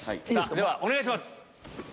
ではお願いします！